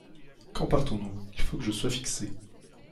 Quand partons-nous ? il faut que je sois fixé !